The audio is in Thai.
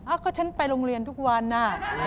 ก็ฉันไปโรงเรียนทุกวันน่ะ